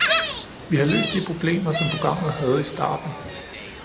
Vi har løst de problemer, som programmet havde i starten.